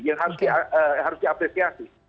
yang harus diapresiasi